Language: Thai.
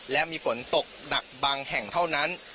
และมีฝนตกหนักบางแห่งเท่านั้น